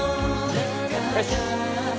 よし。